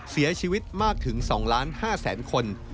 เสียชีวิตมากถึง๒๕๐๐๐คน